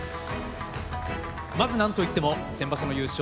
まずなんといっても先場所の優勝